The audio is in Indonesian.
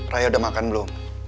ray udah makan belum